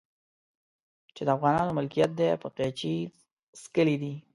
چې د افغانانو ملکيت دی په قيچي څکلي دي.